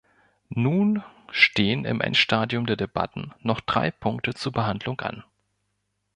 Nun stehen im Endstadium der Debatten noch drei Punkte zur Behandlung an.